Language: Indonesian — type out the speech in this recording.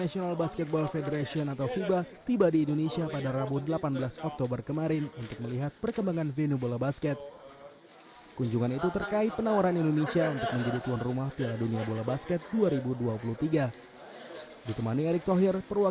ini semua ruang ekstra sampai ke mana